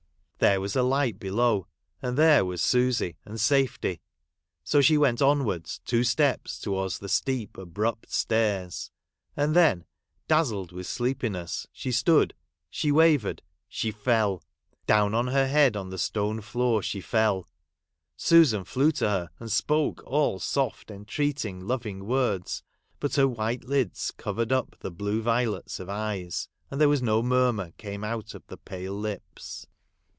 There was a light below. and there was Susy and safety ! So she went onwards two steps towards the steep abrupt stairs ; and then dazzled with sleepiness, she stood, she; wavered, she fell ! Down on her head on the stone floor she fell ! Susan flew to her, and spoke all soft, entreating, loving words ; but her white lids covered up the blue violets of eyes, and there was no murmur came out of the pale lips.